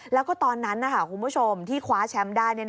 แล้วก็ตอนนั้นคุณผู้ชมที่คว้าแชมป์ได้